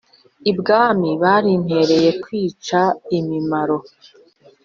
ibwami barimpereye kwica imimaro